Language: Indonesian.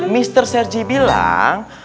mister sergi bilang